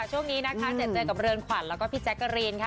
เจ็บเจนกับเรือนขวัญและพี่แจ๊กกะรีน